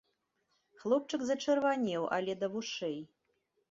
Хлопчык зачырванеў але да вушэй.